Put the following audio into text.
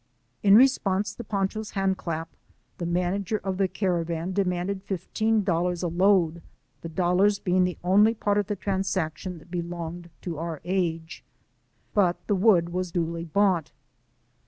In response to Pancho's hand clap, the manager of the caravan demanded fifteen dollars a load, the dollars being the only part of the transaction that belonged to our age. But the wood was duly bought.